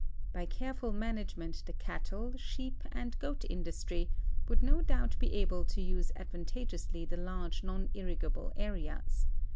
By careful management the cattle, sheep, and goat industry would no doubt be able to use advan tageously the large nonirrigable areas.